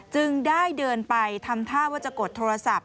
จึงได้เดินไปทำท่าว่าจะกดโทรศัพท์